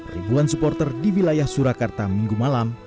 ribuan supporter di wilayah surakarta minggu malam